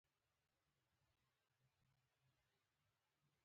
_اول سات خالي دی.